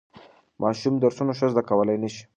ماشوم درسونه ښه زده کولای نشي.